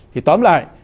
thì tóm lại